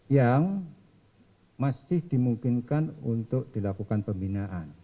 yang masih dimungkinkan untuk dilakukan pembinaan